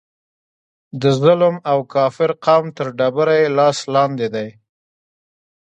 د ظلم او کافر قوم تر ډبره یې لاس لاندې دی.